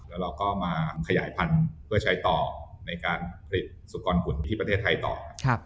แล้วเราก็มาขยายพันธุ์เพื่อใช้ต่อในการผลิตสุกรกุลที่ประเทศไทยต่อ